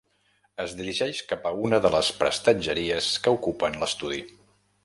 Es dirigeix cap a una de les prestatgeries que ocupen l’estudi.